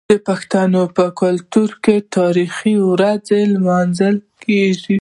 د پښتنو په کلتور کې د تاریخي ورځو لمانځل کیږي.